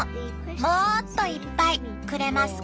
もっといっぱいくれますか？」。